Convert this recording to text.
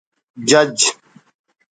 جج